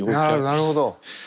あなるほど。